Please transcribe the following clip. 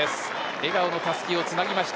笑顔のたすきをつなぎました。